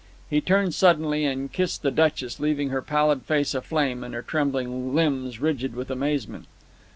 He turned suddenly, and kissed the Duchess, leaving her pallid face aflame and her trembling limbs rigid with amazement.